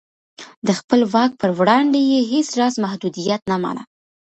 د خپل واک پر وړاندې یې هېڅ راز محدودیت نه مانه.